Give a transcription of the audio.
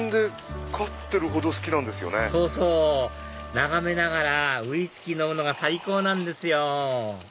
眺めながらウイスキー飲むのが最高なんですよ